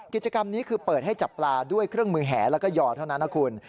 กิจกรรมนี้คือเปิดให้จับปลาด้วยเครื่องมือแห่แล้วก็ยอเท่านั้นนะคุณ